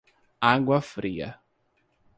Água Fria